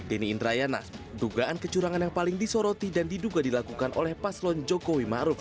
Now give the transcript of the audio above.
deni indrayana dugaan kecurangan yang paling disoroti dan diduga dilakukan oleh paslon jokowi maruf